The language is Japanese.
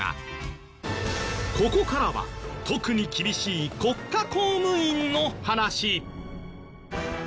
ここからは特に厳しい国家公務員の話。